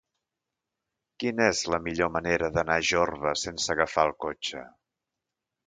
Quina és la millor manera d'anar a Jorba sense agafar el cotxe?